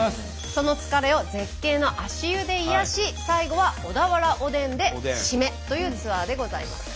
その疲れを絶景の足湯で癒やし最後は小田原おでんで締めというツアーでございます。